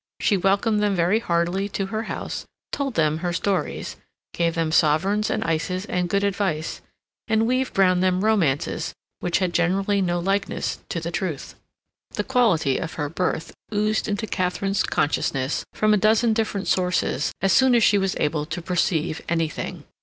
She welcomed them very heartily to her house, told them her stories, gave them sovereigns and ices and good advice, and weaved round them romances which had generally no likeness to the truth. The quality of her birth oozed into Katharine's consciousness from a dozen different sources as soon as she was able to perceive anything.